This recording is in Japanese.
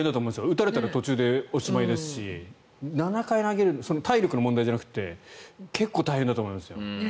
打たれたら途中でおしまいですし体力の問題じゃなくて結構大変だと思いますよ。